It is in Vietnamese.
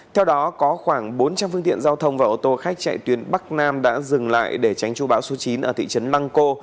theo đó có khoảng bốn trăm linh phương tiện giao thông và ô tô khách chạy tuyến bắc nam đã dừng lại để tránh chú bão số chín ở thị trấn lăng cô